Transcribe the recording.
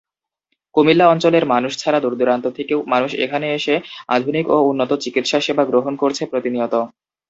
কুমিল্লা অঞ্চলের মানুষ ছাড়া দূর-দূরান্ত থেকেও মানুষ এখানে এসে আধুনিক ও উন্নত চিকিৎসা সেবা গ্রহণ করছে প্রতিনিয়ত।